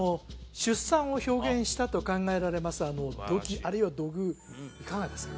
出産を表現したと考えられます土器あるいは土偶いかがですか？